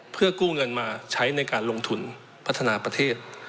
เพื่อกู้เงินมาใช้ในการลงทุนพัฒนาประเทศ